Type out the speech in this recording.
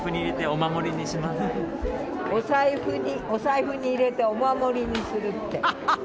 お財布にお財布に入れてお守りにするって。